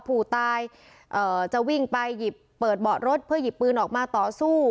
ผู้ตายจะวิ่งไปหยิบเปิดเบาะรถเพื่อหยิบปืนออกมาต่อสู้